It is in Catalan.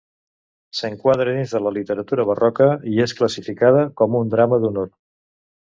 S'enquadra dins de la literatura barroca i és classificada com un drama d'honor.